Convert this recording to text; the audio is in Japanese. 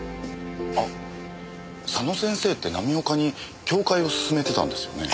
あっ佐野先生って浪岡に教誨を勧めてたんですよね。